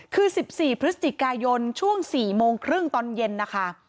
คือ๑๔พฤศจิกายนช่วง๔โมงครึ่งตอนเย็นนะคะ